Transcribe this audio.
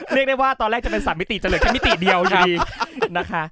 เรียกได้ว่าตอนแรกจะเป็น๓มิติจะเหลือแค่มิติเดียวดีนะคะ